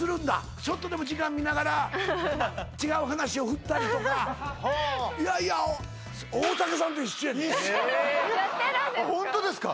それでちょっとでも時間見ながら違う話を振ったりとかいやいややってるんですか？